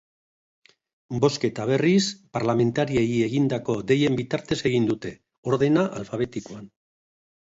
Bozketa, berriz, parlamentariei egindako deien bitartez egin dute, ordena alfabetikoan.